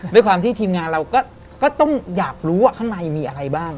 ด้วยความที่ทีมงานเราก็ต้องอยากรู้ว่าข้างในมีอะไรบ้าง